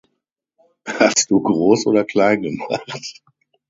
Hast du Gross oder Klein gemacht?